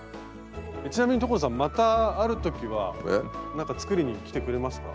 ちなみに所さんまたある時はなんか作りに来てくれますか？